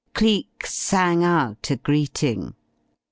Cleek sang out a greeting.